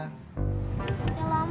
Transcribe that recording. gak papa ditinggal lama